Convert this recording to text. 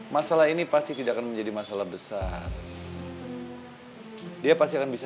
masalahnya itu gak sesimpel itu pi